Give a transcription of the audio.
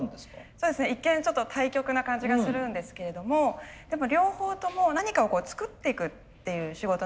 そうですね一見ちょっと対極な感じがするんですけれどもやっぱ両方とも何かを作っていくっていう仕事なんですよね。